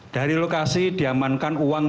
dari lokasi diamankan uang